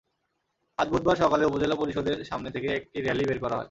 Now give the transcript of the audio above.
আজ বুধবার সকালে উপজেলা পরিষদের সামনে থেকে একটি র্যালি বের হয়।